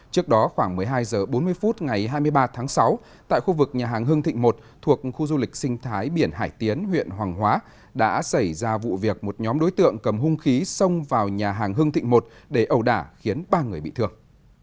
trước đó khoảng một mươi hai h bốn mươi phút ngày hai mươi ba tháng sáu tại khu vực nhà hàng hưng thịnh một thuộc khu du lịch sinh thái biển hải tiến huyện hoàng hóa đã xảy ra vụ việc một nhóm đối tượng cầm hung khí xông vào nhà hàng hưng thịnh một để ẩu đả khiến ba người bị thương